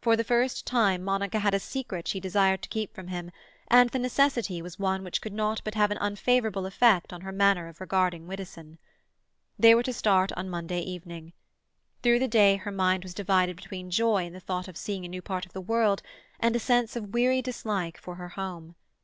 For the first time Monica had a secret she desired to keep from him, and the necessity was one which could not but have an unfavourable effect on her manner of regarding Widdowson. They were to start on Monday evening. Through the day her mind was divided between joy in the thought of seeing a new part of the world and a sense of weary dislike for her home.